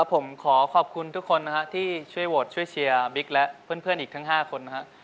ผมขอขอบคุณทุกคนนะฮะที่ช่วยโหวตช่วยเชียร์บิ๊กและเพื่อนอีกทั้ง๕คนนะครับ